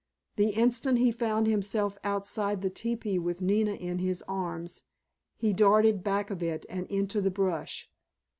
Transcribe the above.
The instant he found himself outside the teepee with Nina in his arms he darted back of it and into the brush.